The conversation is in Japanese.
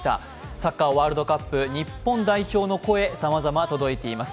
サッカーワールドカップ、日本代表の声、さまざま届いています。